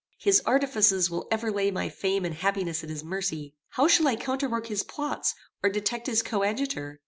His artifices will ever lay my fame and happiness at his mercy. How shall I counterwork his plots, or detect his coadjutor?